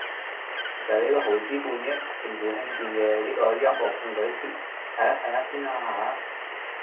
就係呢個耗資半億，政府興建嘅呢個音樂噴水池，大家睇吓先啊吓